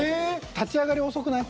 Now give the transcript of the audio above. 立ち上がり遅くない？